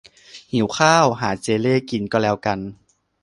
หิวข้าว หาเจเล่กินก็แล้วกัน